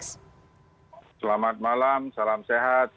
selamat malam salam sehat